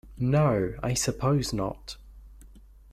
No, I suppose not.